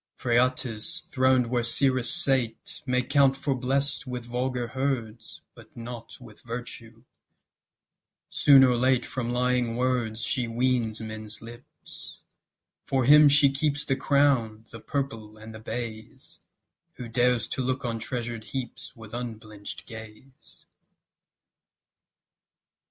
Phraates, throned where Cyrus sate, May count for blest with vulgar herds, But not with Virtue; soon or late From lying words She weans men's lips; for him she keeps The crown, the purple, and the bays, Who dares to look on treasure heaps With unblench'd gaze.